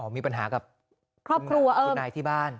อ๋อมีปัญหากับคุณคุณนายที่บ้าน